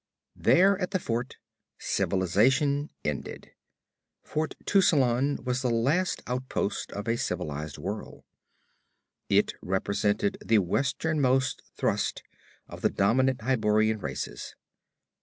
There, at the fort, civilization ended. Fort Tuscelan was the last outpost of a civilized world; it represented the westernmost thrust of the dominant Hyborian races.